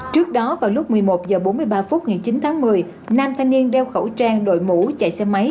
trước đó vào lúc một mươi một h bốn mươi ba phút ngày chín tháng một mươi nam thanh niên đeo khẩu trang đội mũ chạy xe máy